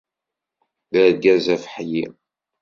D argaz afeḥli.